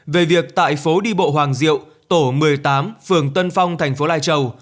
về việc tại phố đi bộ hoàng diệu tổ một mươi tám phường tân phong thành phố lai châu